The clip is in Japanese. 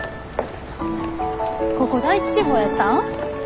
ここ第一志望やったん？